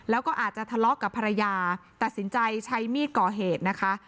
แล้วก็อาจจะทะเลาะกับภรรยาตัดสินใจใช้มีดก่อเหตุนะคะ